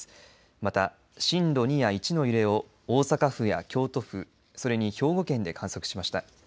また、震度２や１の揺れを大阪府や京都府それに兵庫県で観測しました。